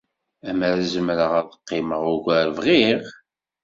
Amer zemreɣ ad qqimeɣ ugar, bɣiɣ.